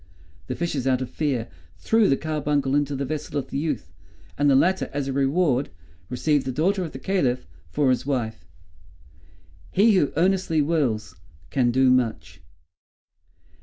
The fishes, out of fear, threw the carbuncle into the vessel of the youth; and the latter, as a reward, received the daughter of the Caliph for his wife." "He who earnestly wills, can do much!"